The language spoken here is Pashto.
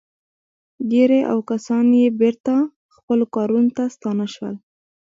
ګيري او کسان يې بېرته خپلو کارونو ته ستانه شول.